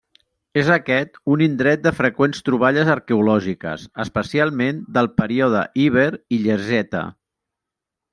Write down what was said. És aquest un indret de freqüents troballes arqueològiques, especialment del període Iber i Ilergeta.